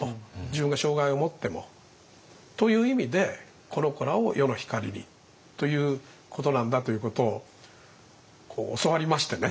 自分が障害をもっても。という意味で「この子らを世の光りに」ということなんだということを教わりましてね。